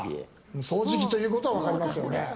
掃除機ということは分かりますよね。